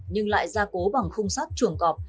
nhưng lại gia cố bằng khung sát chuồng cọp